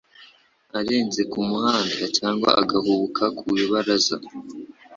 arenze ku muhanda cyangwa agahubuka ku ibaraza.